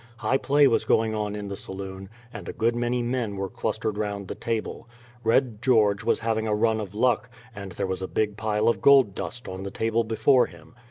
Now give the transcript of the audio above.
High play was going on in the saloon, and a good many men were clustered round the table, Red George was having a run of luck, and there was a big pile of gold dust on the table before him.